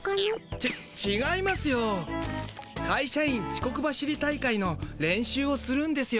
ちちがいますよ。かいしゃ員ちこく走り大会の練習をするんですよ。